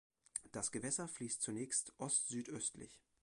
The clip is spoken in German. Das Gewässer fließt zunächst ostsüdöstlich.